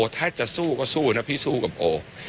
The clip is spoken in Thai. ถ้าจะสู้ก็สู้นะพี่สู้กับโอ